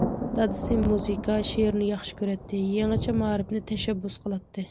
دادىسى مۇزىكا، شېئىرنى ياخشى كۆرەتتى، يېڭىچە مائارىپنى تەشەببۇس قىلاتتى.